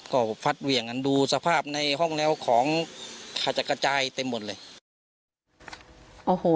ก็พัดเหวี่ยงกันดูสภาพในห้องแล้วของขจัดกระจายเต็มหมดเลย